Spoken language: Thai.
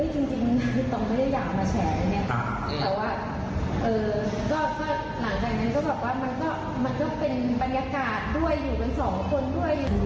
จริงต้องไม่ได้อยากเอามาแชร์แต่ว่าหลังจากนั้นมันก็เป็นบรรยากาศด้วยอยู่กันสองคนด้วย